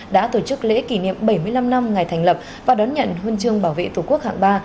đã tổ chức lễ kỷ niệm bảy mươi năm năm ngày thành lập và đón nhận huân chương bảo vệ tổ quốc hạng ba